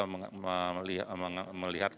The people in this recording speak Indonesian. untuk melihat kemampuan mereka